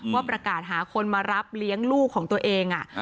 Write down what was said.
ว่าประกาศหาคนมารับเลี้ยงลูกของตัวเอง